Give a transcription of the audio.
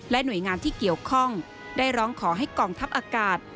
หน่วยงานที่เกี่ยวข้องได้ร้องขอให้กองทัพอากาศ